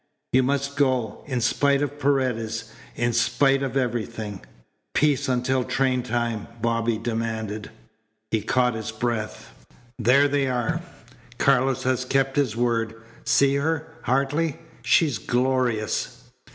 You must go, in spite of Paredes, in spite of everything." "Peace until train time," Bobby demanded. He caught his breath. "There they are. Carlos has kept his word. See her, Hartley. She's glorious."